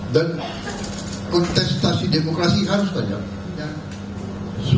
dan kontestasi demokrasi harus tajab